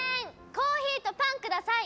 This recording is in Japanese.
コーヒーとパン下さい！